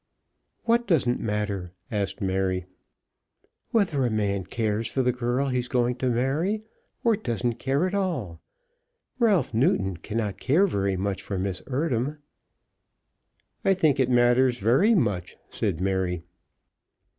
"What doesn't matter?" asked Mary. "Whether a man cares for the girl he's going to marry, or doesn't care at all. Ralph Newton cannot care very much for Miss Eardham." "I think it matters very much," said Mary.